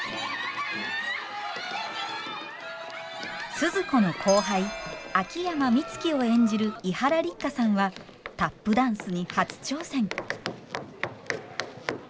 スズ子の後輩秋山美月を演じる伊原六花さんはタップダンスに初挑戦。